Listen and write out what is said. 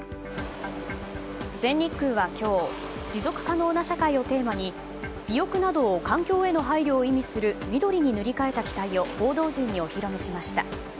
全日空は今日持続可能な社会をテーマに尾翼などを環境への配慮を意味する緑に塗り替えた機体を報道陣にお披露目しました。